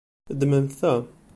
Ddmemt ta.